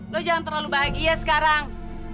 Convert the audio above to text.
lo jangan terlalu bahagia sekarang